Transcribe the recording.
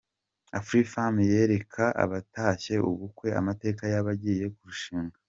Afrifame yereka abatashye ubukwe amateka y’abagiye kurushinga .